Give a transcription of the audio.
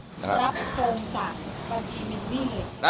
รับตรงจากบัญชีมินนี่เลยใช่ไหมครับ